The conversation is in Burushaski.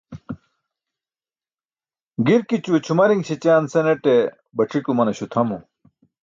Girkićuwe cʰumariṅ śećiyen senate bac̣ik umanaśo tʰamo.